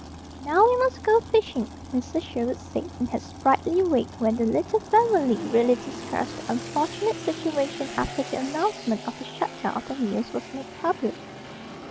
"Now we must go fishing," Mrs. Sherwood said, in her sprightly way, when the little family really discussed the unfortunate situation after the announcement of the shut down of the mills was made public.